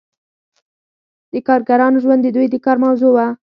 د کارګرانو ژوند د دوی د کار موضوع وه.